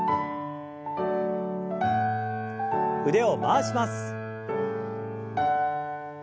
腕を回します。